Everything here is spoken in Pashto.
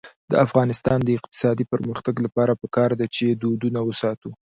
د افغانستان د اقتصادي پرمختګ لپاره پکار ده چې دودونه وساتو.